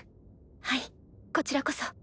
はいこちらこそ。